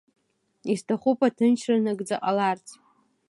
Исҭахуп аҭынчра нагӡа ҟаларц.